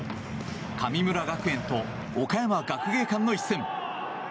神村学園と岡山学芸館の一戦。